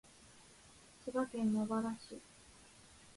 千葉県茂原市